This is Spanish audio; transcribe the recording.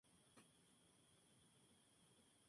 Mateo Jose.